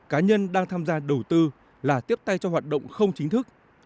cá nhân đang tham gia đầu tư là tiếp tay cho hoạt động không chính thức